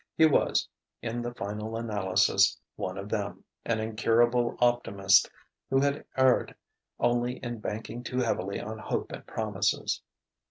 He was, in the final analysis, one of them an incurable optimist who had erred only in banking too heavily on hope and promises.